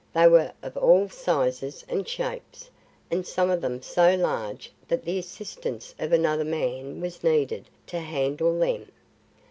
They were of all sizes and shapes, and some of them so large that the assistance of another man was needed to handle them.